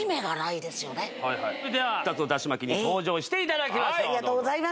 だし巻きに登場していただきましょう。